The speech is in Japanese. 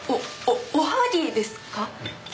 おおおはぎですか？